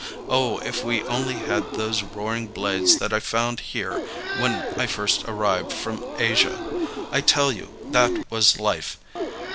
Oh, if we only had those roaring blades that I found here when I first arrived from Asia! I tell you, that was life!